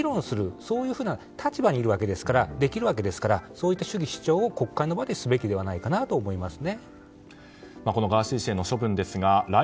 そういうふうな立場にいるわけですからできるわけですからそういった主義・主張を国会の場ですべきでないかなと思いますね。